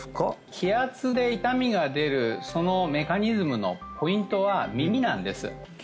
気圧で痛みが出るそのメカニズムのポイントは耳なんです